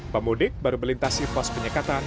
pemudik baru melintasi pos penyekatan